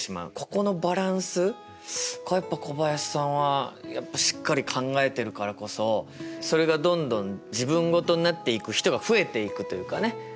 ここのバランスがやっぱ小林さんはしっかり考えてるからこそそれがどんどん自分事になっていく人が増えていくというかね。